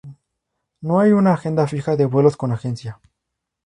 No hay una agenda fija de vuelos con agencia.